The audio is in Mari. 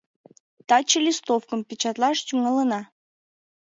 Таче листовкым печатлаш тӱҥалына.